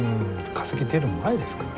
化石出る前ですからね。